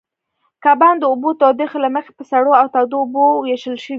کبان د اوبو تودوخې له مخې په سړو او تودو اوبو وېشل شوي.